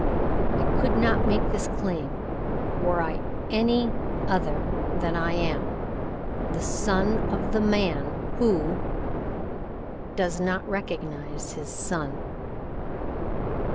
I could not make this claim were I any other than I am the son of the man who does not recognize his son.